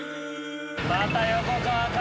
また横川か。